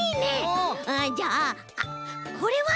うんじゃああっこれは？